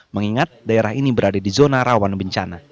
mengingat daerah ini berada di zona rawan bencana